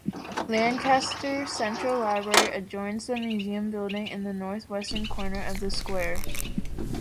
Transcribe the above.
Lancaster Central Library adjoins the museum building in the northwestern corner of the square.